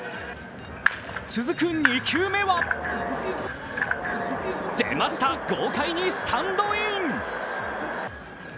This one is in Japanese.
続く２球目は出ました、豪快にスタンドイン。